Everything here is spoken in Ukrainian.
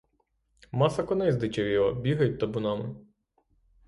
Маса коней здичавіла, бігають табунами.